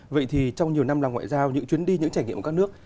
vậy thì trong nhiều năm làm ngoại giao những chuyến đi những trải nghiệm của các nước